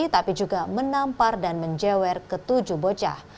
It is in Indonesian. tapi juga menampar dan menjewer ketujuh bocah